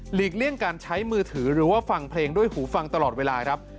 เลี่ยงการใช้มือถือหรือว่าฟังเพลงด้วยหูฟังตลอดเวลาครับ